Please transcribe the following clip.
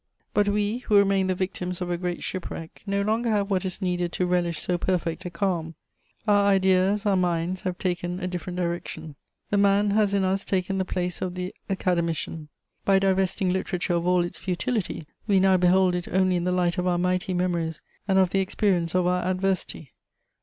But we, who remain the victims of a great shipwreck, no longer have what is needed to relish so perfect a calm. Our ideas, our minds have taken a different direction. The man has in us taken the place of the academician: by divesting literature of all its futility, we now behold it only in the light of our mighty memories and of the experience of our adversity.